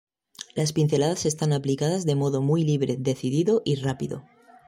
Las pinceladas están aplicadas de modo muy libre, decidido y rápido.